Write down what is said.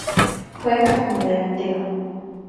Juega como delantero.